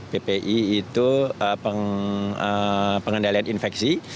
ppi itu pengendalian infeksi